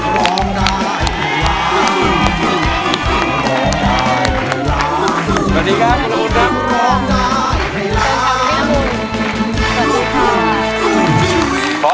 สวัสดีค่ะช่วงนะครับ